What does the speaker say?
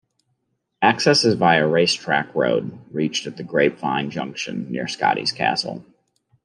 Access is via Racetrack Road, reached at the Grapevine Junction near Scotty's Castle.